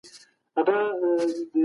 کمپيوټر اسانتياوي زياتوي.